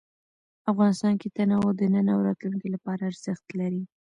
افغانستان کې تنوع د نن او راتلونکي لپاره ارزښت لري.